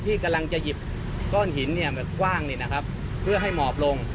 ที่กำลังจะหยิบก้อนหินกว้างเพื่อให้หมอบลง